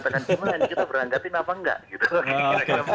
kita berangkatin apa enggak